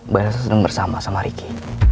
bayi elsa sedang bersama sama riki